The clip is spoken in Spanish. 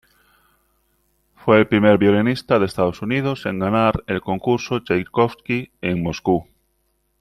Fue el primer violinista de Estados Unidos en ganar el Concurso Tchaikovsky en Moscú.